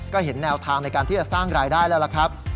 ก็เห็นแนวทางในการที่จะสร้างรายได้แล้วล่ะครับ